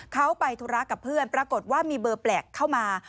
เขาไปธุระกับเพื่อนปรากฏว่ามีเบอร์แปลกเข้ามา